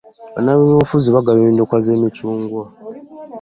Banabyabufuzi bagaba endokwa ze micungwa.